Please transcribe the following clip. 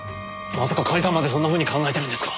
まさか甲斐さんまでそんなふうに考えてるんですか？